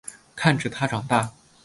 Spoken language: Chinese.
看着他长大